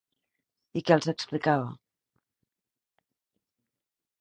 I què els explicava?